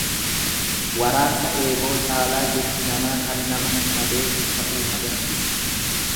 Waraansa eeboo caalaa jechi namaa kan nama madeessu ta'uu agarsiisa.